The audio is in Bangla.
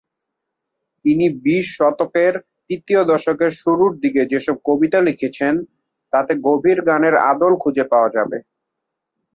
তিনি বিশ শতকের তৃতীয় দশকের শুরুর দিকে যেসব কবিতা লিখেছেন, তাতে গভীর গানের আদল খুঁজে পাওয়া যাবে।